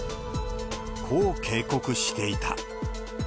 こう警告していた。